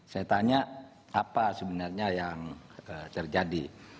saya tanya apa sebenarnya yang terjadi